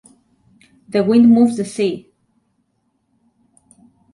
The wind moves the sea.